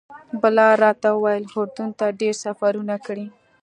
بلال راته وویل اردن ته ډېر سفرونه کړي.